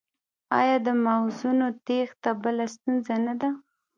آیا د مغزونو تیښته بله ستونزه نه ده؟